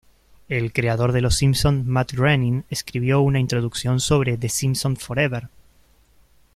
El creador de "Los Simpson", Matt Groening, escribió una introducción sobre "The Simpsons Forever!".